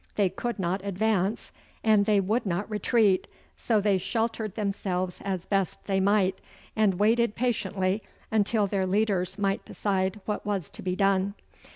They could not advance, and they would not retreat, so they sheltered themselves as best they might, and waited patiently until their leaders might decide what was to be done.